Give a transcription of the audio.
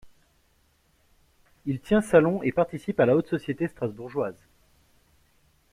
Il tient salon et participe à la haute société strasbourgeoise.